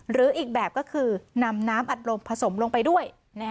หรืออีกแบบก็คือนำน้ำอัดลมผสมลงไปด้วย